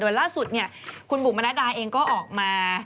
โดยล่าสุดคุณบุ๋มมณดาเองก็ออกมา